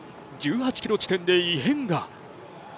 １８ｋｍ地点で異変が。